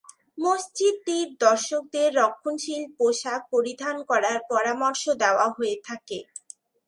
মসজিদটির দর্শকদের রক্ষণশীল পোশাক পরিধান করার পরামর্শ দেওয়া হয়ে থাকে।